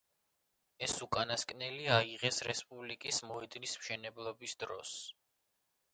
ეს უკანასკნელი აიღეს რესპუბლიკის მოედნის მშენებლობის დროს.